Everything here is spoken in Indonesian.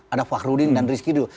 ada fakhrudin dan rizky duh